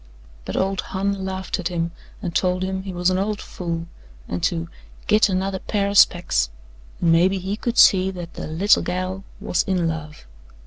But old Hon laughed at him and told him he was an old fool and to "git another pair o' specs" and maybe he could see that the "little gal" was in love.